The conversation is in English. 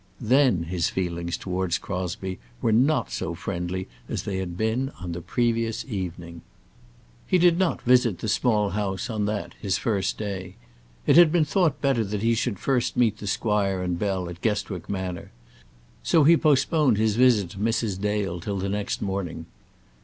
Then his feelings towards Crosbie were not so friendly as they had been on the previous evening. He did not visit the Small House on that, his first day. It had been thought better that he should first meet the squire and Bell at Guestwick Manor, so he postponed his visit to Mrs. Dale till the next morning.